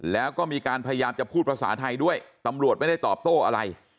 แล้วก็มีการพยายามจะพูดภาษาไทยด้วยตำรวจไม่ได้ตอบโต้อะไร